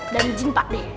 dan jin pak deh